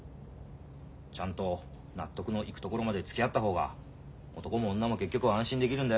ちゃんと納得のいくところまでつきあった方が男も女も結局は安心できるんだよ。